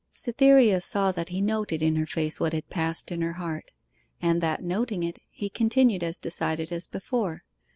Cytherea saw that he noted in her face what had passed in her heart, and that noting it, he continued as decided as before.